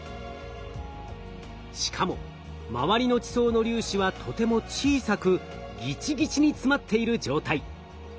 しかも周りの地層の粒子はとても小さくギチギチに詰まっている状態。